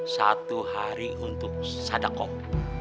satu hari untuk sadakopo